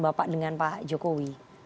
bapak dengan pak jokowi